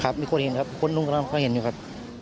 ครับมีคนเห็นครับคนลุงกำลังก็เห็นอยู่ครับ